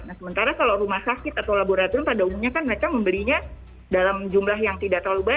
nah sementara kalau rumah sakit atau laboratorium pada umumnya kan mereka membelinya dalam jumlah yang tidak terlalu banyak